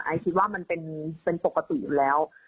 คิดว่ามันเป็นปกติอยู่แล้ว